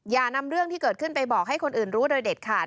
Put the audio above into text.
อย่านำเรื่องที่เกิดขึ้นไปบอกให้คนอื่นรู้โดยเด็ดขาด